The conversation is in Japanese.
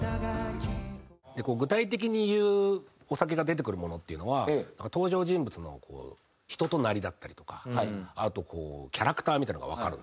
具体的に言うお酒が出てくるものっていうのは登場人物の人となりだったりとかあとキャラクターみたいなのがわかるんですよね。